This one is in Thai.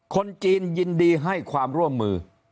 คนจีนยินดีให้ความร่วมมือ